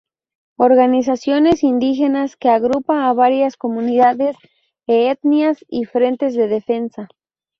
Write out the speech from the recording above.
Organizaciones indígenas que agrupa a varias comunidades o etnias y Frentes de Defensa.